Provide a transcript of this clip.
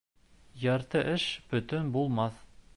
Ярты эш бөтөн булмаҫ.